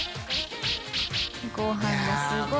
ごはんがすごい。